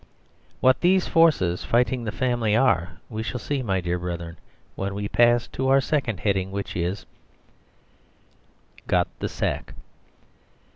What these forces fighting the family are we shall see, my dear brethren, when we pass to our second heading; which is: 2. _Got the Sack.